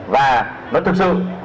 và nó thực sự